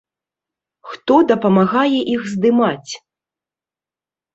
Хто дапамагае іх здымаць?